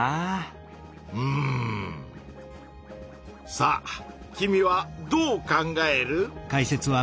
さあ君はどう考える？